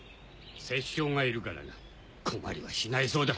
摂政がいるからな困りはしないそうだ。